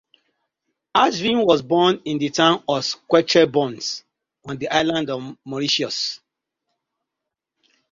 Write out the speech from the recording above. Ashvin was born in the town of Quatre Bornes on the island of Mauritius.